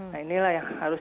nah inilah yang harus